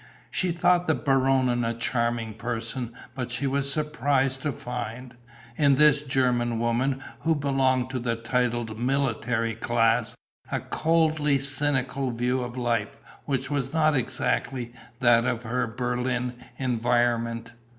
She thought the Baronin a charming person, but she was surprised to find, in this German woman, who belonged to the titled military class, a coldly cynical view of life which was not exactly that of her Berlin environment.